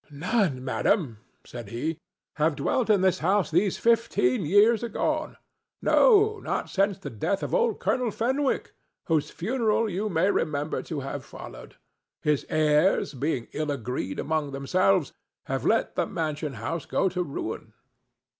"None, madam," said he, "have dwelt in this house these fifteen years agone—no, not since the death of old Colonel Fenwicke, whose funeral you may remember to have followed. His heirs, being ill agreed among themselves, have let the mansion house go to ruin."